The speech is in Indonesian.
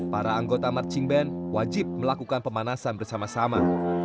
para anggota marching band wajib melakukan pemanasan bersama sama